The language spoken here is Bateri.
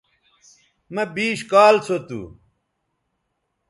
مہ بیش کال سو تھو